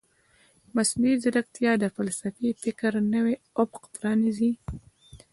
مصنوعي ځیرکتیا د فلسفي فکر نوی افق پرانیزي.